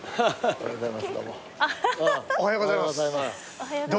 おはようございます。